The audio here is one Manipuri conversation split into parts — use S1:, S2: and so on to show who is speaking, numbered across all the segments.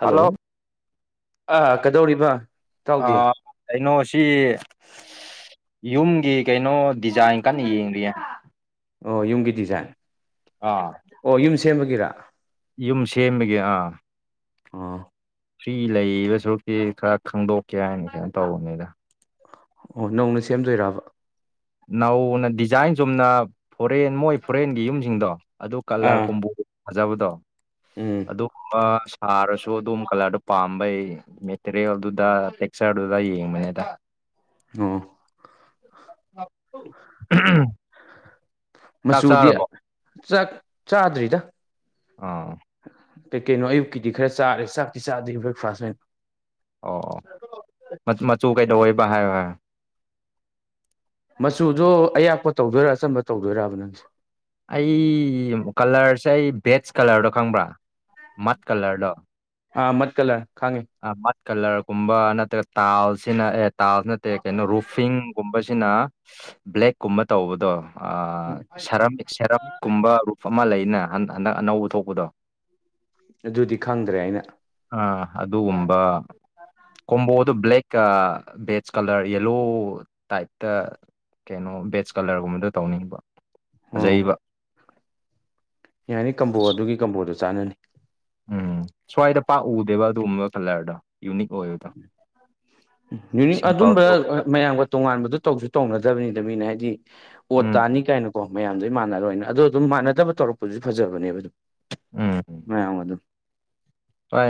S1: ꯍꯜꯂꯣ ꯑ ꯀꯩꯗꯧꯔꯤꯕ ꯏꯇꯥꯎꯗꯤ
S2: ꯑꯥ ꯀꯩꯅꯣ ꯁꯤ ꯌꯨꯝꯒꯤ ꯀꯩꯅꯣ ꯗꯤꯖꯥꯏꯟ ꯀꯟꯅ ꯌꯦꯡꯂꯤꯌꯦ
S1: ꯑꯣ ꯌꯨꯝꯒꯤ ꯗꯤꯖꯥꯏꯟ
S2: ꯑꯥ
S1: ꯑꯣ ꯌꯨꯝ ꯁꯦꯝꯕꯒꯤꯔ
S2: ꯌꯨꯝ ꯁꯦꯝꯕꯒꯤ ꯑꯥ
S1: ꯑꯣ
S2: ꯐ꯭ꯔꯤ ꯂꯩꯕ ꯁꯔꯨꯛꯇꯤ ꯈꯔ ꯈꯪꯗꯣꯛꯀꯦ ꯍꯥꯏꯅ ꯀꯩꯅꯣ ꯇꯧꯕꯅꯤꯗ
S1: ꯑꯣ ꯅꯧꯅ ꯁꯦꯝꯗꯣꯏꯔꯕ
S2: ꯅꯧꯅ ꯗꯤꯖꯥꯏꯟ ꯆꯨꯝꯅ ꯐꯣꯔꯦꯟ ꯃꯣꯏ ꯐꯣꯔꯦꯟꯒꯤ ꯌꯨꯝꯁꯤꯡꯗꯣ ꯑꯗꯨ ꯀꯂ꯭ꯔ
S1: ꯑꯥ
S2: ꯀꯣꯝꯕꯣ ꯐꯖꯕꯗꯣ
S1: ꯎꯝ
S2: ꯑꯗꯨꯒꯨꯝꯕ ꯁꯥꯔꯁꯨ ꯑꯗꯨꯝꯕ ꯀꯂ꯭ꯔꯗꯣ ꯄꯥꯝꯕꯩ ꯃꯦꯇ꯭ꯔꯦꯜꯗꯨꯗ ꯇꯦꯛꯆ꯭ꯔꯗꯨꯗ ꯌꯦꯡ ꯕꯅꯦꯗ
S1: ꯑꯣ
S2: ꯎꯝ ꯎꯝ
S1: ꯃꯆꯨꯗꯤ ꯆꯥꯛ ꯆꯥꯗ꯭ꯔꯤꯗ
S2: ꯑꯣ
S1: ꯀꯩ ꯀꯩꯅꯣ ꯑꯌꯨꯛꯀꯤꯗꯤ ꯈꯔ ꯆꯥꯔꯦ ꯆꯥꯛꯇꯤ ꯆꯥꯗ꯭ꯔꯤ ꯕ꯭ꯔꯦꯛꯐꯥꯁ ꯑꯣꯢꯅ
S2: ꯑꯣ ꯑꯣ ꯃ ꯃꯆꯨ ꯀꯩꯗꯧꯋꯦꯕ ꯍꯥꯏꯌꯣ ꯍꯥꯏꯌꯣ
S1: ꯃꯆꯨꯗꯣ ꯑꯌꯥꯛꯄ ꯇꯧꯗꯣꯏꯔꯥ ꯑꯆꯝꯕ ꯇꯧꯗꯣꯏꯔꯕ ꯅꯪꯁꯦ
S2: ꯑꯩ ꯀꯂ꯭ꯔꯁꯦ ꯑꯩ ꯕꯦꯆ ꯀꯂ꯭ꯔꯗꯣ ꯈꯪꯕ꯭ꯔꯥ ꯃꯠ ꯀꯂ꯭ꯔꯗꯣ
S1: ꯑꯥ ꯃꯠ ꯀꯂ꯭ꯔ ꯈꯪꯉꯤ
S2: ꯑꯥ ꯃꯠ ꯀꯂ꯭ꯔꯒꯨꯝꯕ ꯅꯠꯇ꯭ꯔꯒ ꯇꯥꯜꯁꯤꯅ ꯑꯦ ꯇꯥꯜ ꯅꯠꯇꯦ ꯀꯩꯅꯣ ꯔꯨꯐꯤꯡꯒꯨꯝꯕꯁꯤꯅ ꯕ꯭ꯂꯦꯛꯀꯨꯝꯕ ꯇꯧꯕꯗꯣ
S1: ꯎꯝ
S2: ꯁꯔꯝꯃꯤ ꯁꯦꯔꯝ ꯀꯨꯝꯕ ꯔꯨꯨꯞ ꯑꯃ ꯂꯩꯅ ꯍꯟꯗꯛ ꯑꯅꯧꯕ ꯊꯣꯛꯄꯗꯣ
S1: ꯑꯗꯨꯗꯤ ꯈꯪꯗ꯭ꯔꯦ ꯑꯩꯅ
S2: ꯑꯥ ꯑꯗꯨꯒꯨꯝꯕ ꯀꯣꯝꯕꯣꯗꯣ ꯕ꯭ꯂꯦꯛꯀ ꯕꯦꯆ ꯀꯂ꯭ꯔ ꯌꯦꯜꯂꯣ ꯇꯥꯏꯞꯇ ꯀꯩꯅꯣ ꯕꯦꯆ ꯀꯂ꯭ꯔꯒꯨꯝꯕꯗꯣ ꯇꯧꯅꯤꯡꯕ
S1: ꯑꯣ
S2: ꯐꯖꯩꯕ
S1: ꯌꯥꯅꯤ ꯀꯝꯕꯣ ꯑꯗꯨꯒꯤ ꯀꯝꯕꯣꯗꯣ ꯆꯥꯟꯅꯅꯤ
S2: ꯎꯝ ꯁ꯭ꯋꯥꯏꯗ ꯄꯥꯛ ꯎꯗꯦꯕ ꯑꯗꯨꯒꯨꯝꯕ ꯀꯂ꯭ꯔꯗꯣ ꯌꯨꯅꯤꯛ ꯑꯣꯏ
S1: ꯎꯝ ꯌꯅꯤꯛ ꯑꯗꯨꯝꯕ
S2: ꯁꯤꯝꯄꯜꯗ ꯑꯣꯏꯕ
S1: ꯃꯌꯥꯝꯒ ꯇꯣꯉꯥꯟꯕꯗꯨ ꯇꯧꯖꯨ ꯇꯧꯅꯗꯕꯅꯤꯗ ꯃꯤꯅ ꯍꯥꯏꯗꯤ ꯑꯣꯠ
S2: ꯎꯝ
S1: ꯇꯥꯅꯤ ꯀꯥꯏꯅ ꯀꯣ ꯃꯌꯥꯝꯗꯩ ꯃꯥꯟꯅꯔꯣꯏꯅ ꯑꯗꯣ ꯑꯗꯨꯝ ꯃꯥꯟꯅꯗꯕ ꯇꯧꯔꯛꯄꯖꯨ ꯐꯖꯕꯅꯦꯕ ꯑꯗꯨꯝ
S2: ꯎꯝ
S1: ꯃꯌꯥꯝꯒ ꯑꯗꯨꯝ
S2: ꯍꯣꯏ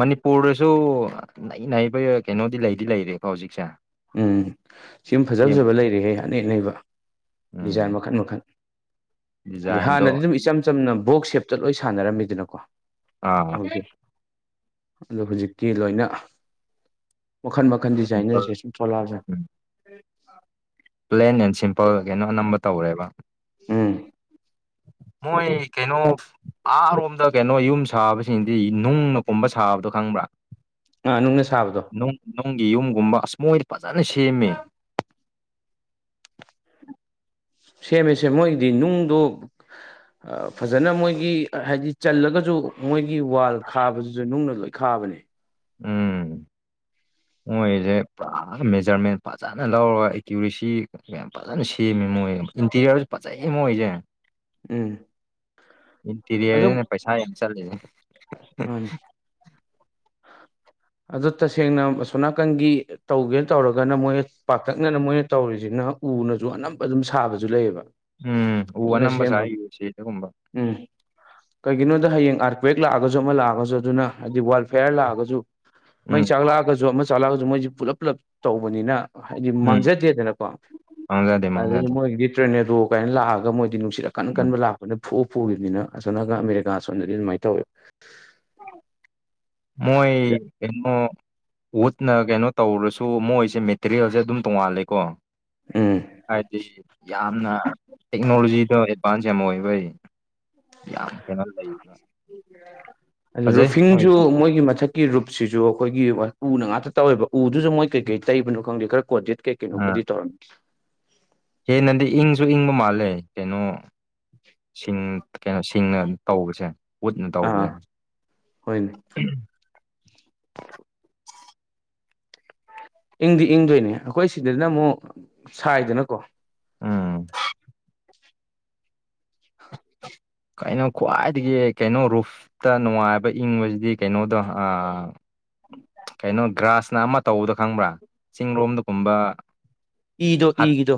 S2: ꯃꯅꯤꯄꯨꯔꯗꯁꯨ ꯅꯩ ꯅꯥꯩꯕ ꯀꯩꯅꯣꯗꯤ ꯂꯩꯗꯤ ꯂꯩꯔꯤꯀꯣ ꯍꯧꯖꯤꯛꯁꯦ
S1: ꯎꯝ ꯌꯨꯝ ꯐꯖ
S2: ꯁꯦꯝꯕ
S1: ꯐꯖꯕ ꯂꯩꯔꯦꯍꯩ ꯑꯅꯩ ꯑꯅꯩꯕ ꯗꯤꯖꯥꯏꯟ
S2: ꯎꯝ
S1: ꯃꯈꯟ ꯃꯈꯟ ꯑꯗꯤ
S2: ꯗꯤꯖꯥꯏꯟꯗꯣ
S1: ꯍꯥꯟꯅꯗꯤ ꯑꯗꯨꯝ ꯏꯆꯝ ꯆꯝꯅ ꯕꯣꯛꯁ ꯁꯦꯞꯇ ꯂꯣꯏ ꯁꯥꯟꯅꯔꯝꯃꯤꯗꯅꯀꯣ
S2: ꯑꯥ
S1: ꯌꯧꯒꯦ ꯑꯗꯣ ꯍꯧꯖꯤꯛꯇꯤ ꯂꯣꯏꯅ ꯃꯈꯜ ꯃꯛ ꯃꯈꯟ
S2: ꯁꯤꯝꯄꯜ
S1: ꯗꯤꯖꯥꯏꯅꯔꯁꯦ ꯁꯨꯝ ꯊꯣꯛꯂꯛꯕ ꯖꯥꯠꯅꯦ
S2: ꯎꯝ ꯄ꯭ꯂꯦꯟ ꯑꯦꯟ ꯁꯤꯝꯄꯜ ꯀꯩꯅꯣ ꯑꯅꯝꯕ ꯇꯧꯔꯦꯕ
S1: ꯎꯝ
S2: ꯃꯣꯏ ꯀꯩꯅꯣ ꯑꯥꯔꯣꯝꯗ ꯀꯩꯅꯣ ꯌꯨꯝ ꯁꯥꯕꯁꯤꯡꯗꯤ ꯅꯨꯡꯅ ꯀꯨꯝꯕ ꯁꯥꯕꯗꯣ ꯈꯪꯕ꯭ꯔꯥ
S1: ꯑꯥ ꯅꯨꯡꯅ ꯁꯥꯕꯗꯣ
S2: ꯅꯨꯡꯒꯤ ꯌꯨꯝꯒꯨꯝꯕ ꯑꯁ ꯃꯣꯏꯗ ꯐꯖꯅ ꯁꯦꯝꯃꯦ
S1: ꯁꯦꯝꯃꯦ ꯁꯦꯝ ꯃꯣꯏꯒꯤꯗꯤ ꯅꯨꯡꯗꯣ ꯑꯥ ꯐꯖꯅ ꯃꯣꯏꯒꯤ ꯍꯥꯏꯗꯤ ꯆꯜꯂꯒꯁꯨ ꯃꯣꯏꯒꯤ ꯋꯥꯜ ꯈꯥꯕꯗꯨꯁꯨ ꯅꯨꯡꯅ ꯂꯣꯏ ꯈꯥꯕꯅꯦ
S2: ꯎꯝ ꯃꯣꯏꯁꯦ ꯄꯨꯔꯥ ꯃꯦꯖꯔꯃꯦꯟ ꯐꯖꯅ ꯂꯧꯔꯒ ꯑꯦꯀ꯭ꯨꯔꯦꯁꯤ ꯌꯥꯝ ꯐꯖꯅ ꯁꯦꯝꯃꯦ ꯃꯣꯏ ꯏꯟꯇꯤꯔꯤꯌꯔꯁꯨ ꯐꯖꯩꯌꯦ ꯃꯣꯏꯁꯦ
S1: ꯎꯝ
S2: ꯏꯟꯇꯤꯔꯤꯌꯔꯅꯦ ꯄꯩꯁꯥ ꯍꯦꯟꯅ ꯆꯠꯂꯤꯁꯦ
S1: ꯃꯥꯟꯅꯦ ꯑꯗꯨ ꯇꯁꯦꯡꯅ ꯑꯁꯣꯝꯅꯥꯀꯟꯒꯤ ꯇꯧꯒꯦꯅ ꯇꯧꯔꯒꯅ ꯃꯣꯏ ꯄꯥꯛꯇꯛꯅꯅ ꯃꯣꯏꯅ ꯇꯧꯔꯤꯁꯤꯅ ꯎꯅꯁꯨ ꯑꯅꯝꯕ ꯑꯗꯨꯝ ꯁꯥꯕꯁꯨ ꯂꯩꯌꯦꯕ
S2: ꯎꯝ ꯎ
S1: ꯐꯖꯟꯅ
S2: ꯑꯅꯝꯕ
S1: ꯁꯦꯝꯕ
S2: ꯁꯥꯏ ꯌꯨ ꯁꯤꯗꯒꯨꯝꯕ
S1: ꯎꯝ ꯀꯩꯒꯤꯅꯣꯗ ꯍꯌꯦꯡ ꯑꯥꯔꯀꯋꯦꯛ ꯂꯥꯛꯑꯒꯁꯨ ꯑꯃ ꯂꯥꯛꯑꯒꯁꯨ ꯑꯗꯨꯅ ꯍꯥꯏꯗꯤ ꯋꯥꯜ ꯐꯦꯌꯥꯔ ꯂꯥꯛꯑꯒꯁꯨ ꯃꯩ
S2: ꯎꯝ
S1: ꯆꯥꯛꯂꯛꯑꯒꯁꯨ ꯑꯃ ꯆꯥꯛꯂꯛꯑꯒꯁꯨ ꯃꯣꯏꯁꯦ ꯄꯨꯂꯞ ꯄꯨꯂꯞ ꯇꯧꯕꯅꯤꯅ ꯍꯥꯏꯗꯤ
S2: ꯎꯝ
S1: ꯃꯥꯡꯖꯗꯦꯗꯅꯀꯣ
S2: ꯃꯥꯡꯖꯗꯦ
S1: ꯑꯗꯒꯤ
S2: ꯃꯥꯡꯖꯗꯦ
S1: ꯃꯣꯏꯒꯤꯗꯤ ꯇ꯭ꯔꯦꯅꯦꯗꯣ [unintelligible] ꯂꯥꯛꯑꯒ ꯃꯣꯏꯗꯤ ꯅꯨꯡꯠ ꯑꯀꯟ
S2: ꯎꯝ
S1: ꯀꯟꯕ ꯂꯥꯛꯄ ꯑꯩꯈꯣꯏꯅ ꯐꯨꯑ ꯄꯨꯈꯤꯕꯅꯤꯅ ꯑꯁꯣꯝꯅꯀꯟ ꯑꯃꯦꯔꯤꯀꯥ ꯁꯣꯟꯗꯗꯤ ꯑꯗꯨꯃꯥꯏꯅ ꯇꯧꯋꯦ
S2: ꯃꯣꯏ ꯀꯩꯅꯣ ꯋꯨꯠꯅ ꯀꯩꯅꯣ ꯇꯧꯔꯁꯨ ꯃꯣꯏꯁꯦ ꯃꯦꯇꯔꯤꯌꯦꯜꯁꯦ ꯑꯗꯨꯝ ꯇꯣꯡꯉꯥꯜꯂꯦꯀꯣ
S1: ꯎꯝ
S2: ꯍꯥꯏꯗꯤ ꯌꯥꯝꯅ ꯇꯦꯛꯅꯣꯂꯣꯖꯤꯗꯣ ꯑꯦꯗꯚꯥꯟꯁ ꯌꯥꯝ ꯑꯣꯏꯕꯩ ꯌꯥꯝ ꯀꯩꯅꯣ ꯂꯩꯕ ꯐꯖꯩ
S1: ꯔꯨꯐꯤꯡꯁꯨ
S2: ꯃꯣꯏꯗꯣ
S1: ꯃꯣꯏꯒꯤ ꯃꯊꯛ ꯀꯤ ꯔꯨꯞꯁꯤꯁꯨ ꯑꯩꯈꯣꯏꯒꯤ ꯎꯅ ꯉꯥꯛꯇ ꯇꯧꯋꯦꯕ ꯎꯗꯨꯁꯨ ꯃꯣꯏ ꯀꯩ ꯀꯩ ꯇꯩꯕꯅꯣ ꯈꯪꯗꯦ ꯈꯔ ꯀꯣꯟꯗꯤꯦꯠ ꯀꯩ ꯀꯩꯅꯣꯒꯗꯤ ꯇꯩꯔꯝꯅꯤ
S2: ꯍꯦꯟꯄꯗꯤ ꯏꯪꯁꯨ ꯏꯪꯕ ꯃꯥꯜꯂꯦ ꯀꯩꯅꯣ ꯁꯤꯡ ꯀꯩꯅꯣ ꯁꯤꯡꯅ ꯇꯧꯕꯁꯦ ꯎꯠꯅ
S1: ꯑꯥ
S2: ꯇꯧꯕꯁꯦ
S1: ꯍꯣꯏꯅꯦ ꯏꯪꯗꯤ ꯏꯪꯗꯣꯏꯅꯦ ꯑꯩꯈꯣꯏ ꯁꯤꯗꯅ ꯑꯃꯨꯛ ꯁꯥꯏꯗꯅꯀꯣ
S2: ꯎꯝ ꯀꯩꯅꯣ ꯈ꯭ꯋꯥꯏꯗꯒꯤ ꯀꯩꯅꯣ ꯔꯨꯐ ꯇ ꯅꯨꯡꯉꯥꯏꯕ ꯏꯪꯕꯁꯤꯗꯤ ꯀꯩꯅꯣꯗꯣ ꯑꯥ ꯀꯩꯅꯣ ꯒ꯭ꯔꯥꯁꯅ ꯑꯃ ꯇꯧꯕꯗꯣ ꯈꯪꯕ꯭ꯔꯥ ꯆꯤꯡ ꯂꯣꯝꯗꯒꯨꯝꯕ
S1: ꯏꯗꯣ ꯏꯒꯤꯗꯣ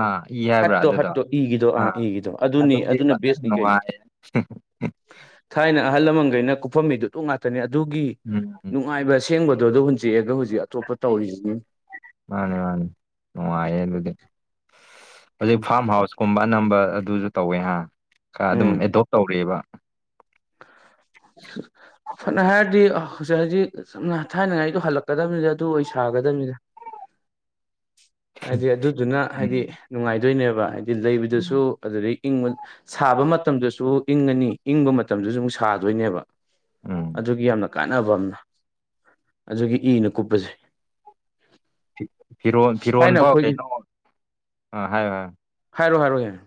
S2: ꯑꯥ ꯏ ꯍꯥꯏꯕ꯭ꯔꯥ
S1: ꯍꯠꯇꯣ
S2: ꯑꯗꯨꯗꯣ
S1: ꯍꯠꯇꯣ ꯏꯒꯤꯗꯣ ꯑꯥ ꯏꯒꯤꯗꯣ ꯑꯗꯨꯅꯦ
S2: ꯑꯗꯨꯗꯤ
S1: ꯑꯗꯨꯅ
S2: ꯐꯖꯅ
S1: ꯕꯦꯁ ꯀꯩꯅꯣ
S2: ꯅꯨꯡꯉꯥꯏ
S1: ꯊꯥꯏꯅ ꯑꯍꯜ ꯂꯃꯟꯈꯩꯅ ꯀꯨꯞꯐꯝ ꯃꯤꯗꯨ ꯑꯗꯨ ꯉꯥꯛꯇꯅꯦ ꯑꯗꯨꯒꯤ
S2: ꯎꯝ
S1: ꯅꯨꯡꯉꯥꯏꯕ ꯁꯦꯡꯕꯗꯣ ꯑꯗꯣ ꯍꯨꯟꯖꯛꯑꯒ ꯍꯧꯖꯤꯛ ꯑꯇꯣꯞꯄ ꯇꯧꯔꯤꯁꯤꯅꯦ
S2: ꯃꯥꯟꯅꯦ ꯃꯥꯟꯅꯦ ꯅꯨꯡꯉꯥꯏꯌ‌ꯦ ꯑꯗꯨꯗꯤ ꯍꯧꯖꯤꯛ ꯐꯥꯔꯝ ꯍꯥꯎꯁꯀꯨꯝꯕ ꯑꯅꯝꯕ ꯑꯗꯨꯁꯨ ꯇꯧꯋꯦ ꯍꯥ ꯀꯥ ꯑꯗꯨꯝ
S1: ꯎꯝ
S2: ꯑꯦꯗꯣꯞ ꯇꯧꯔꯤꯑꯦꯕ
S1: [inaudible] ꯐꯅ ꯍꯥꯏꯔꯗꯤ ꯍꯧ ꯍꯧꯖꯤꯛ ꯁ ꯊꯥꯏꯅꯉꯥꯏꯗꯣ ꯍꯜꯂꯛꯀꯗꯕꯅꯤꯗ ꯑꯗꯨ ꯑꯣꯏ ꯁꯥꯒꯗꯕꯅꯤꯗ [inaudible] ꯍꯥꯏꯗꯤ ꯑꯗꯨꯗꯨꯅ ꯍꯥꯏꯗꯤ
S2: ꯎꯝ
S1: ꯅꯨꯡꯉꯥꯏꯗꯣꯏꯅꯦꯕ ꯍꯥꯏꯗꯤ ꯂꯩꯕꯗꯨꯁꯨ
S2: ꯎꯝ
S1: ꯑꯗꯨꯒꯤ ꯏꯪꯕ ꯁꯥꯕ ꯃꯇꯝꯗꯁꯨ ꯏꯪꯉꯅꯤ ꯏꯪꯕ ꯃꯇꯝꯗꯁꯨ ꯑꯃꯨꯛ ꯁꯥꯗꯣꯏꯅꯦꯕ
S2: ꯎꯝ
S1: ꯑꯗꯨꯒꯤ ꯌꯥꯝꯅ ꯀꯥꯟꯅꯕ ꯑꯃꯅ ꯑꯗꯨꯒꯤ ꯏꯅ ꯀꯨꯞꯄꯁꯦ
S2: ꯐꯤꯔꯣꯟ
S1: ꯊꯥꯏꯅ
S2: ꯐꯤꯔꯣꯟꯐꯥꯎ
S1: ꯑꯩꯈꯣꯏꯒꯤ
S2: ꯀꯩꯅꯣ ꯑꯥ ꯍꯥꯏꯌꯣ ꯍꯥꯏꯌꯣ
S1: ꯍꯥꯏꯔꯣ ꯍꯥꯏꯔꯣ ꯍꯦꯡ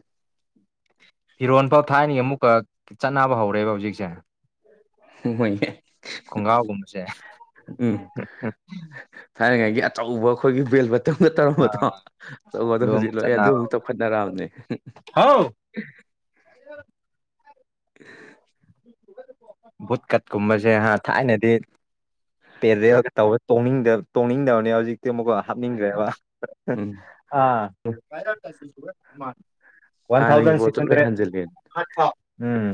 S2: ꯐꯤꯔꯣꯟ ꯐꯥꯎ ꯊꯥꯏꯅꯒꯤ ꯑꯃꯨꯛꯀ ꯆꯠꯅꯕ ꯍꯧꯔꯦꯕ ꯍꯧꯖꯤꯛꯁꯦ
S1: ꯍꯣꯏꯅꯦ
S2: ꯈꯣꯡꯒ꯭ꯔꯥꯎꯒꯨꯝꯕꯁꯦ [unintelligible]
S1: ꯊꯥꯏꯅꯉꯩꯒꯤ ꯑꯆꯧꯕ ꯑꯩꯈꯣꯏꯒꯤ ꯕꯦꯜꯕꯠ ꯗꯨꯝꯕ
S2: ꯑꯥ
S1: ꯇꯧꯔꯝꯕꯗꯣ ꯇꯧꯕꯗꯣ
S2: ꯑꯗꯨ
S1: ꯍꯧꯖꯤꯛ
S2: ꯑꯃꯨꯛ
S1: ꯂꯣꯏ ꯑꯗꯨ
S2: ꯆꯠꯅꯕ
S1: ꯑꯃꯨꯛ ꯆꯥꯎꯈꯠꯅꯔꯛꯑꯕꯅꯦ
S2: ꯕꯨꯠ ꯀꯠ ꯀꯨꯝꯕꯁꯦ ꯍꯥ ꯊꯥꯏꯅꯗꯤ ꯄꯦꯔ‌ꯦꯜꯒ ꯇꯧꯕ ꯇꯣꯡꯅꯤꯡꯗꯕ‌ ꯇꯣꯡꯅꯤꯡꯗꯕꯅꯦ ꯍꯧꯖꯤꯛꯇꯤ ꯑꯃꯨꯛꯀ ꯍꯥꯞꯅꯤꯡꯈꯔ‌ꯦꯕ
S1: ꯎꯝ
S2: ꯑꯥ ꯋꯥꯟ
S1: ꯍꯥꯟꯅꯒꯤ
S2: ꯊꯥꯎꯖꯟ
S1: ꯄꯣꯠꯇꯣ
S2: ꯁꯤꯛꯁ
S1: ꯂꯣꯏ
S2: ꯍꯟꯗ꯭ꯔꯦꯛ
S1: ꯍꯟꯖꯤꯜꯂꯛꯑꯦ
S2: ꯎꯝ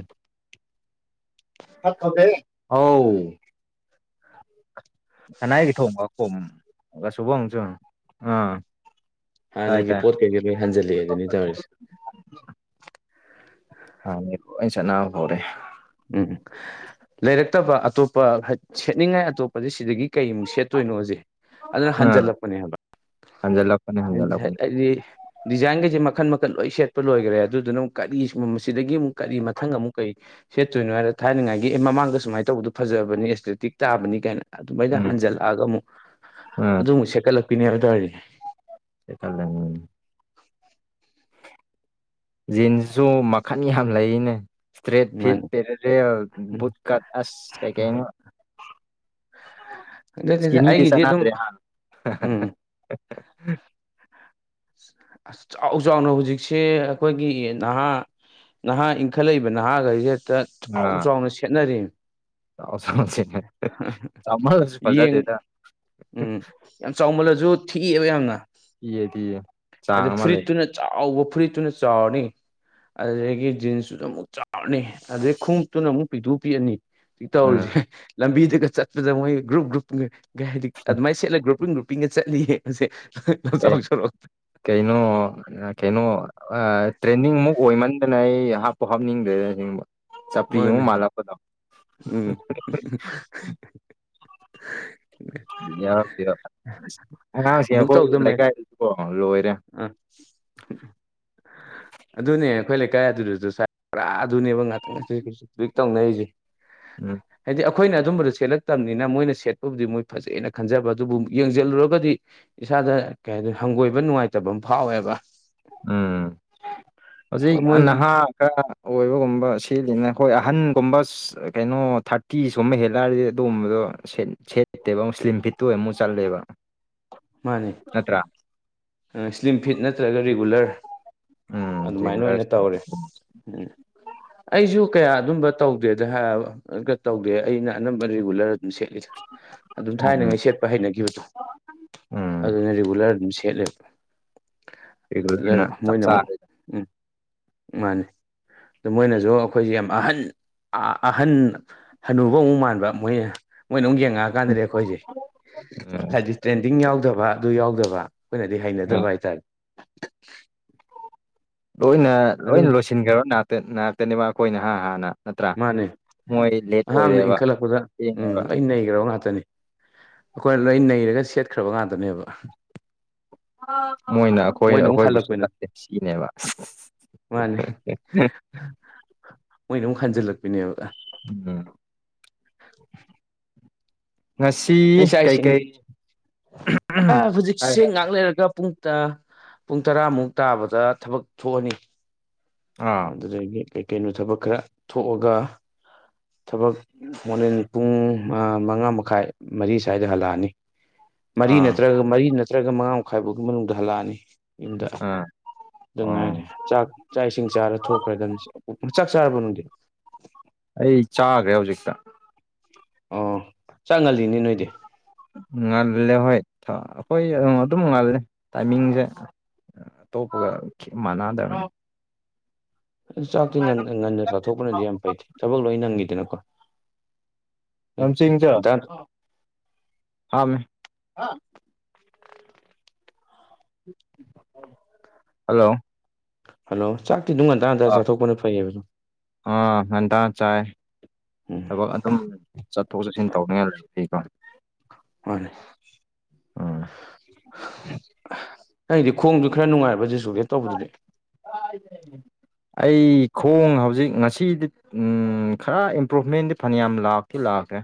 S2: ꯑꯧ ꯀꯅꯥꯏꯒꯤ ꯊꯣꯡꯕ ꯈꯣꯝ ꯁꯨꯕ ꯑꯃꯁꯨ ꯑꯥ ꯇꯥꯏ
S1: ꯍꯥꯟꯅꯒꯤ ꯄꯣꯠ ꯀꯩꯀꯩ ꯂꯣꯏ ꯍꯟꯖꯜꯂꯛꯑꯦ ꯗꯨꯅꯤ ꯇꯧꯔꯤꯁꯦ
S2: ꯑꯥ ꯃꯤ ꯂ‌ꯣꯏ ꯆꯠꯅꯍꯧꯔꯦ
S1: ꯎꯝ ꯂꯩꯔꯛꯇꯕ ꯑꯇꯣꯞꯄ ꯁꯦꯠꯅꯤꯡꯉꯥꯏ ꯑꯇꯣꯞꯄꯗꯤ ꯁꯤꯗꯒꯤ ꯀꯩꯃꯨꯛ ꯁꯦꯠꯇꯣꯏꯅꯣꯁ‌ꯦ ꯑꯗꯨꯅ
S2: ꯑꯥ
S1: ꯍꯟꯖꯤꯜꯂꯛꯄꯅꯦ ꯍꯥꯏꯕ
S2: ꯍꯟꯖꯜꯂꯛꯄꯅꯦ ꯍꯟꯖꯜꯂꯛꯄꯅꯦ
S1: ꯍꯥꯏꯗꯤ ꯗꯤꯖꯥꯏꯟꯈꯩꯁꯦ ꯃꯈꯟ ꯃꯈꯟ ꯂꯣꯏ ꯁꯦꯠꯄ ꯂꯣꯏꯈꯔꯦ ꯑꯗꯨꯗꯨꯅ ꯑꯃꯨꯛ ꯀꯔꯤ ꯃꯁꯤꯗꯒꯤ ꯑꯃꯨꯛ ꯀꯔꯤ ꯃꯊꯪ ꯑꯃꯨꯛ ꯀꯔꯤ ꯁꯦꯠꯇꯣꯏꯅꯣ ꯍꯥꯏꯔ ꯊꯅꯉꯥꯏꯒꯤ ꯑꯦ ꯃꯃꯥꯡꯗ ꯁꯨꯃꯥꯏ ꯇꯧꯕꯗꯨ ꯐꯖꯕꯅꯤ ꯑꯦꯁꯊ‌ꯦꯇꯤꯛ ꯇꯥꯕꯅꯤ ꯀꯥꯏꯅ ꯑꯗꯨꯃꯥꯏꯅ
S2: ꯎꯝ
S1: ꯍꯟꯖꯜꯂꯛꯑꯒ ꯑꯃꯨꯛ
S2: ꯎꯝ
S1: ꯑꯗꯨꯃꯨꯛ ꯁꯦꯠꯀꯠꯂꯛꯄꯤꯅꯦꯕ ꯇꯧꯔꯤꯖꯦ
S2: [unintelligible] ꯖꯤꯟꯁꯖꯨ ꯃꯈꯟ ꯌꯥꯝ ꯂꯩꯌ‌ꯦꯅꯦ ꯏꯁꯇ꯭ꯔꯦꯠ ꯐꯤꯠ
S1: ꯃꯥꯅꯤ
S2: ꯄꯦꯔꯦꯔꯦꯜ
S1: ꯎꯝ
S2: ꯕꯨꯠ ꯀꯠ ꯑꯁ ꯀꯩꯀꯩꯅꯣ
S1: ꯑꯗꯨꯅꯤꯗ
S2: ꯏꯁꯀꯤꯅꯤꯗꯤ
S1: ꯑꯩꯒꯤꯗꯤ ꯑꯗꯨꯝ
S2: ꯆꯠꯅꯗꯔ‌ꯦ ꯍꯥ
S1: ꯎꯝ ꯑꯁ ꯆꯥꯎ ꯆꯥꯎꯅ ꯍꯧꯖꯤꯛꯁꯦ ꯑꯩꯈꯣꯏꯒꯤ ꯅꯍꯥ ꯅꯍꯥ ꯏꯟꯈꯠꯂꯛꯏꯕ ꯅꯍꯥꯈꯩꯁ‌ꯦ ꯍꯦꯛꯇ ꯆꯥꯎ
S2: ꯑꯥ
S1: ꯆꯥꯎꯅ ꯁꯦꯠꯅꯔ‌ꯦ
S2: ꯆꯥꯎ ꯆꯥꯎꯅ ꯁꯦꯠꯅꯔ‌ꯦ ꯆꯥꯎꯃꯜꯂꯁꯨ
S1: ꯌꯦꯡ
S2: ꯐꯖꯗꯦꯗ
S1: ꯎꯝ ꯌꯥꯝ ꯆꯥꯎꯃꯜꯂꯁꯨ ꯊꯤꯑꯦꯕ ꯌꯥꯝꯅ
S2: ꯊꯤꯌꯦꯗꯤ
S1: ꯑꯗꯨ ꯐꯨꯔꯤꯠꯇꯨꯅ ꯆꯥꯎꯕ ꯐꯨꯔꯤꯠꯇꯨꯅ ꯆꯥꯎꯔꯅꯤ ꯑꯗꯨꯗꯒꯤ ꯖꯤꯟꯁꯇꯨꯁꯨ ꯑꯃꯨꯛ ꯆꯥꯎꯔꯅꯤ ꯑꯗꯨꯗꯩ ꯈꯣꯡꯎꯞꯇꯨꯅ ꯑꯃꯨꯛ ꯄꯤꯛꯇꯨ ꯄꯤꯛꯑꯅꯤ ꯍꯧꯖꯤꯛ
S2: ꯎꯝ
S1: ꯇꯧꯔꯤꯁꯦ ꯂꯝꯕꯤꯗꯒ ꯆꯠꯄꯗ ꯃꯣꯏ ꯒ꯭ꯔꯨꯞ ꯒ꯭ꯔꯨꯞ ꯀꯩ ꯍꯥꯏꯗꯤ ꯑꯗꯨꯃꯥꯏꯅ ꯁꯦꯠꯂꯒ ꯒ꯭ꯔꯨꯞꯄꯤꯡ ꯒ꯭ꯔꯨꯞꯄꯤꯡꯒ ꯆꯠꯂꯤꯌꯦ ꯍꯧꯖꯤꯛ
S2: ꯀꯩ
S1: ꯂꯝꯖꯥꯎ ꯁꯨꯔꯣꯛ
S2: ꯀꯩꯅꯣ ꯑ ꯀꯩꯅꯣ ꯑ ꯇ꯭ꯔꯦꯟꯗꯤꯡ ꯃꯨꯛ ꯑꯣꯏꯃꯟꯗꯅ ꯑꯩ ꯍꯥꯞꯄꯨ ꯍꯥꯞꯅꯤꯡꯗ꯭ꯔꯦꯗ ꯑꯁꯦꯡꯕ ꯆꯝꯄꯔꯤ
S1: ꯃꯥꯅꯦ
S2: ꯑꯃꯨꯛ ꯃꯥꯜꯂꯛꯕꯗꯣ
S1: ꯎꯝ [unintelligible]
S2: ꯌꯥꯔꯛꯇꯦꯗ ꯑꯉꯥꯡꯁꯦ ꯑꯩꯈꯣꯏ ꯂꯩꯀꯥꯏꯗꯁꯨꯀꯣ ꯂꯣꯏꯔꯦ
S1: ꯑ ꯑꯗꯨꯅꯦ ꯑꯩꯈꯣꯏ ꯂꯩꯀꯥꯏ ꯑꯗꯨꯗꯁꯨ ꯁꯥꯏ ꯄꯨꯔꯥ ꯑꯗꯨꯅꯦꯕ [unintelligible] ꯍꯧꯖꯤꯛ ꯇꯧꯅꯔꯤꯖꯦ
S2: ꯎꯝ
S1: ꯍꯥꯏꯗꯤ ꯑ ꯈꯣꯏꯅ ꯑꯗꯨꯝꯕꯗꯣ ꯁꯦꯠꯂꯛꯇꯕꯅꯤꯅ ꯃꯣꯏꯅ ꯁꯦꯠꯄꯕꯨꯗꯤ ꯃꯣꯏ ꯐꯖꯩꯅ ꯈꯟꯖꯕ ꯑꯗꯨꯕꯨ ꯌꯦꯡꯖꯜꯂꯨꯔꯒꯗꯤ ꯏꯁꯥꯗ ꯀꯩ ꯍꯥꯏꯗꯣꯏꯅꯣ ꯍꯪꯒꯣꯏꯕ ꯅꯨꯡꯉꯥꯏꯇꯕ ꯑꯃ ꯐꯥꯎꯋꯦꯕ
S2: ꯎꯝ ꯍꯧꯖꯤꯛ
S1: ꯍꯣꯏ
S2: ꯑ
S1: ꯃꯣꯏ
S2: ꯅꯍꯥ ꯈꯔ ꯑꯣꯏꯕꯒꯨꯝ ꯨꯕ ꯁꯦꯠꯂꯤꯅ ꯑꯩꯈꯣꯏ ꯑꯍꯟꯒꯨꯝꯕ ꯁꯁ ꯀꯩꯅꯣ ꯊꯥꯔꯇꯤꯁ ꯒꯨꯝꯕ ꯍꯦꯜꯂꯛꯑꯔꯗꯤ ꯑꯗꯨꯒꯨꯝꯕꯗꯣ ꯁꯦꯠ ꯁꯦꯠꯇꯦꯕ ꯑꯃꯨꯛ ꯏꯁꯂꯤꯝ ꯐꯤꯠꯇꯨ ꯑꯣꯏꯅ ꯃꯨꯛ ꯆꯠꯂꯦꯕ
S1: ꯃꯥꯅꯦ
S2: ꯅꯠꯇ꯭ꯔꯥ
S1: ꯑꯥ ꯁ꯭ꯂꯤꯝ ꯐꯤꯠ ꯅꯠꯇ꯭ꯔꯒ ꯔꯤꯒꯨꯂꯔ
S2: ꯎꯝ
S1: ꯑꯗꯨꯃꯥꯏꯅ
S2: ꯔꯤꯒꯨꯂꯔ
S1: ꯑꯣꯏꯅ ꯇꯧꯔꯦ ꯎꯝ ꯑꯩꯁꯨ ꯀꯌꯥ ꯑꯗꯨꯝꯕ ꯇꯧꯗꯦꯗ ꯍꯥ ꯑꯗꯨꯒ ꯇꯧꯗꯦ ꯑꯩꯅ ꯑꯅꯝꯕ ꯔꯤꯒꯨꯂꯔ ꯑꯗꯨꯝ ꯁꯦꯠꯂꯤꯗ ꯑꯗꯨꯝ
S2: ꯎꯝ
S1: ꯊꯥꯏꯅꯉꯩ ꯁꯦꯠꯄ ꯍꯩꯅꯈꯤꯕꯗꯣ
S2: ꯎꯝ
S1: ꯑꯗꯨꯅ ꯔꯤꯒꯨꯂꯔ ꯑꯗꯨꯝ ꯁꯦꯠꯂꯦ ꯑꯗꯩ
S2: ꯔꯤꯒꯨꯂꯔꯅ ꯆꯞ
S1: ꯃꯣꯏꯅ ꯃꯨꯛ
S2: ꯆꯥꯔꯦ
S1: ꯎꯝ ꯃꯥꯅꯤ ꯃꯣꯏꯅꯁꯨ ꯑꯩꯈꯣꯏꯁꯦ ꯌꯥꯝ ꯑꯍꯟ ꯑ ꯑꯍꯟ ꯍꯟꯅꯨꯕ ꯑꯃꯨꯛ ꯃꯥꯟꯕ ꯃꯣꯏꯅ ꯃꯣꯏꯅ ꯑꯃꯨꯛ ꯌꯦꯡꯉꯛꯑꯀꯥꯟꯗꯗꯤ ꯑꯩꯈꯣꯏꯁꯦ
S2: ꯎꯝ
S1: ꯍꯥꯏꯗꯤ ꯇ꯭ꯔꯦꯟꯗꯤꯡ ꯌꯥꯎꯗꯕ ꯑꯗꯨ ꯌꯥꯎꯗꯕ ꯗꯤ
S2: ꯑ
S1: ꯍꯩꯅꯗꯕ ꯍꯥꯏꯇꯥꯔꯦ
S2: ꯂꯣꯏꯅ
S1: ꯑꯗꯨ
S2: ꯂꯣꯏꯅ ꯂꯣꯏꯁꯤꯟꯈ꯭ꯔꯕ ꯅꯥꯛꯇ ꯅꯥꯛꯇꯅꯦꯕ ꯑꯩꯈꯣꯏꯅꯥ ꯍꯥ ꯍꯥꯟꯅ ꯅꯠꯇ꯭ꯔꯥ
S1: ꯃꯥꯅꯦ
S2: ꯃꯣꯏ ꯂꯦꯠ
S1: ꯑꯍꯥꯟꯕꯗ
S2: ꯑꯣꯏꯔꯦꯕ
S1: ꯏꯟꯈꯠꯂꯛꯄꯗ ꯎꯝ
S2: ꯊꯦꯡꯉꯦꯕ
S1: ꯂꯣꯏ ꯅꯩꯒ꯭ꯔꯕ ꯉꯥꯛꯇꯅꯦ ꯑꯈꯣꯏꯅ ꯂꯣꯏ ꯅꯩꯔꯒ ꯁꯦꯠꯈ꯭ꯔꯕ ꯉꯥꯛꯇꯅꯦꯕ
S2: ꯃꯣꯏꯅ ꯑꯈꯣꯏ ꯑꯈꯣꯏꯕꯨ ꯁꯦꯠꯂꯛꯇꯦ ꯁꯤꯅꯦꯕ
S1: ꯃꯥꯅꯦ ꯍꯦ ꯃꯣꯏꯅ ꯑꯃꯨꯛ ꯍꯟꯖꯤꯜꯂꯛꯄꯤꯅꯦꯕ
S2: ꯎꯝ
S1: [unintelligible]
S2: ꯉꯁꯤ
S1: ꯅꯪ ꯆꯥꯛ ꯏꯁꯤꯡ
S2: ꯀꯩꯀꯩ
S1: ꯑꯥ
S2: ꯍꯥꯏ
S1: ꯍꯨꯖꯤꯛꯁꯦ ꯉꯥꯛ ꯂꯩꯔꯒ ꯄꯨꯡ ꯇ ꯄꯨꯡ ꯇꯔꯥꯃꯨꯛ ꯇꯥꯕꯗ ꯊꯕꯛ ꯊꯣꯛꯑꯅꯤ
S2: ꯑꯥ
S1: ꯑꯗꯨꯗꯒꯤ ꯀꯩꯀꯩꯅꯣ ꯊꯕꯛ ꯈꯔ ꯊꯣꯛꯑꯒ ꯊꯕꯛ ꯍꯣꯔꯦꯟ ꯄꯨꯡ ꯑꯥ ꯃꯉꯥ ꯃꯈꯥꯏ ꯃꯔꯤ ꯁ꯭ꯋꯥꯏꯗ ꯍꯜꯂꯛꯑꯅꯤ [inaudible] ꯃꯔꯤ
S2: ꯑꯥ
S1: ꯅꯠꯇ꯭ꯔꯒ ꯃꯔꯤ ꯅꯠꯇ꯭ꯔꯒ ꯃꯉꯥ ꯃꯈꯥꯏ ꯐꯥꯎꯒꯤ ꯃꯅꯨꯡꯗ ꯍꯜꯂꯛꯑꯅꯤ ꯌꯨꯝꯗ
S2: ꯑꯥ
S1: ꯑꯗꯨ
S2: ꯑꯥ
S1: ꯉꯥꯏꯔꯦ ꯆꯥꯛ ꯆꯥꯛ ꯏꯁꯤꯡ ꯆꯥꯔꯥ ꯊꯣꯛꯈ꯭ꯔꯗꯝꯅꯤ ꯁꯤ ꯎꯝ ꯆꯥꯛ ꯆꯥꯔꯕꯣ ꯅꯪꯗꯤ
S2: ꯑꯩ ꯆꯥꯒ꯭ꯔꯦ ꯍꯧꯖꯤꯛꯇ
S1: ꯑꯣ ꯆꯥꯛ ꯉꯜꯂꯤꯅꯦ ꯅꯣꯏꯗꯤ
S2: ꯉꯜꯂꯦ ꯍꯣꯏ ꯊꯥ ꯑꯩꯈꯣꯏ ꯑ ꯑꯗꯨꯝ ꯉꯜꯂꯦ ꯇꯥꯏꯃꯤꯡꯁꯦ ꯇꯣꯄꯒ ꯈꯤꯠ ꯃꯥꯟꯅꯗꯕꯅꯤ
S1: ꯆꯥꯛꯇꯤ ꯉꯟ ꯉꯟꯅ ꯆꯥꯊꯣꯛꯄꯅꯗꯤ ꯌꯥꯝ ꯐꯩꯗ ꯊꯕꯛ ꯂꯣꯏ ꯅꯪꯉꯤꯗꯅꯀꯣ ꯉꯟꯇꯥ
S2: [unintelligible] ꯍꯜꯂꯣ
S1: ꯍꯜꯂꯣ ꯆꯥꯛꯇꯤ ꯑꯗꯨꯝ ꯉꯟꯇꯥ ꯉꯟꯇꯥ ꯆꯥꯊꯣꯛꯄꯅ ꯐꯩꯌꯦꯕ ꯗꯨꯝ
S2: ꯑꯥ ꯉꯟꯇ ꯆꯥꯏ
S1: ꯎꯝ
S2: ꯊꯕꯛ ꯑꯗꯨꯝ ꯆꯠꯊꯣꯛ ꯆꯠꯁꯤꯟ ꯇꯧꯅꯤꯡꯉꯥꯏ ꯂꯩꯔꯗꯤꯀꯣ
S1: ꯃꯥꯅꯦ
S2: ꯎꯝ
S1: ꯑꯍ ꯅꯪꯒꯤꯗꯤ ꯈꯣꯡꯗꯨ ꯈꯔ ꯅꯨꯡꯉꯥꯏꯕ ꯖꯦꯁꯨꯒꯦ ꯇꯧꯕꯗꯨꯗꯤ
S2: ꯑꯩ ꯈꯣꯡ ꯍꯧꯖꯤꯛ ꯉꯁꯤꯗꯤ ꯎꯝ ꯈꯔ ꯏꯝꯄ꯭ꯔꯨꯚꯃꯦꯟꯗꯤ ꯐꯅꯌꯥꯝ ꯂꯥꯛꯇꯤ ꯂꯥꯛꯈꯔꯦ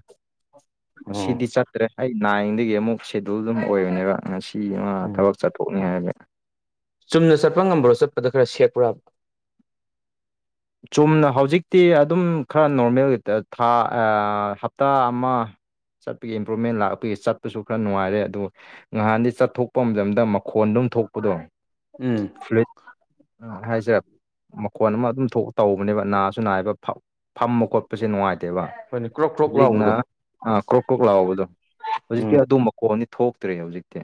S1: ꯎꯝ
S2: ꯁꯤꯗꯤ ꯆꯠꯇ꯭ꯔꯦ ꯑꯩ ꯅꯥꯏꯟꯗꯒꯤ ꯑꯃꯨꯛ ꯁꯦꯗꯨꯜ ꯗꯨꯃꯨꯛ ꯑꯣꯏꯕꯅꯦꯕ ꯉꯁꯤ ꯑꯃ
S1: ꯎꯝ
S2: ꯊꯕꯛ ꯆꯠꯊꯣꯛꯅꯤ ꯍꯥꯏꯕꯩ
S1: ꯆꯨꯝꯅ ꯆꯠꯄ ꯉꯝꯕ꯭ꯔꯣ ꯆꯠꯄꯗ ꯈꯔ ꯁꯦꯛꯄ꯭ꯔꯕ
S2: ꯆꯨꯝꯅ ꯍꯧꯖꯤꯛꯇꯤ ꯑꯗꯨꯝ ꯈꯔ ꯅꯣꯔꯃꯦꯜ ꯊꯥ [unintelligible] ꯍꯞꯇꯥ ꯑꯃ ꯆꯠꯄꯒꯤ ꯏꯝꯄ꯭ꯔꯨꯚꯃꯦꯟ ꯂꯥꯛꯄꯒꯤ ꯆꯠꯄꯁꯨ ꯈꯔ ꯅꯨꯡꯉꯥꯏꯔꯦ ꯑꯗꯨ ꯉꯍꯥꯟꯗꯤ ꯆꯠꯊꯣꯛꯄ ꯃꯇꯝꯗ ꯃꯈꯣꯟ ꯑꯗꯨꯝ ꯊꯣꯛꯄꯗꯣ
S1: ꯎꯝ
S2: ꯐꯨꯂꯤꯠ ꯍꯥꯏꯁꯦ ꯃꯈꯣꯟ ꯑꯃ ꯑꯗꯨꯝ ꯊꯧ ꯇꯧꯕꯅꯦꯕ ꯅꯥꯁꯨ ꯅꯥꯏꯕ ꯐꯝ ꯐꯝꯕ ꯈꯣꯠꯄꯁꯦ ꯅꯨꯡꯉꯥꯏꯇꯦ [unintelligible] ꯇꯦꯕ
S1: ꯍꯣꯏꯅꯦ ꯀ꯭ꯔꯣꯛ ꯀ꯭ꯔꯣꯛ
S2: ꯍꯧꯖꯤꯛꯅ
S1: ꯂꯥꯎꯕꯗꯣ
S2: ꯑꯥ ꯀ꯭ꯔꯣꯛ ꯀ꯭ꯔꯣꯛ ꯂꯥꯛꯕꯗꯣ ꯍꯧꯖꯤꯛꯇꯤ
S1: ꯎꯝ
S2: ꯑꯗꯨꯃꯈꯣꯗꯤ ꯊꯣꯛꯇ꯭ꯔꯦ ꯍꯧꯖꯤꯛꯇꯤ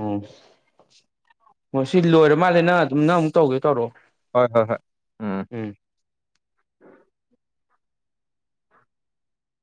S1: ꯎꯝ ꯍꯣ ꯁꯤ ꯂꯣꯏꯔ ꯃꯥꯜꯂꯦ ꯅꯪ ꯑꯗꯨꯝꯅꯪ ꯑꯃꯨꯛ ꯇꯧꯒꯦ ꯇꯧꯔꯛꯑꯣ
S2: ꯍꯣꯏ ꯍꯣꯏ ꯍꯣꯏ ꯎꯝ꯫
S1: ꯎꯝ